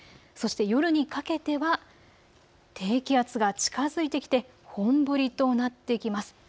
そして夜にかけては低気圧が近づいてきて本降りとなってきます。